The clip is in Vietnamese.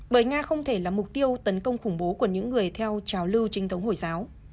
bởi nga không thể là mục tiêu tấn công khủng bố của những người theo trào lưu trinh thống hồi giáo